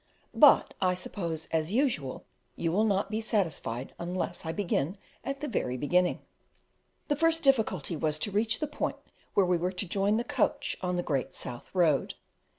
But, I suppose, as usual, you will not be satisfied unless I begin at the very beginning. The first difficulty was to reach the point where we were to join the coach on the Great South Road.